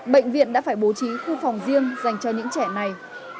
bệnh viện đã phải bố trí khu phòng riêng dành cho những trẻ này